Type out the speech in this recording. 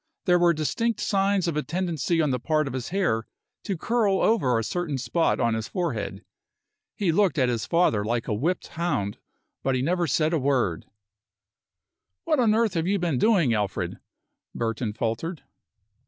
There were distinct signs of a tendency on the part of his hair to curl over a certain spot on his forehead. He looked at his father like a whipped hound but he said never a word. "What on earth have you been doing, Alfred?" Burton faltered.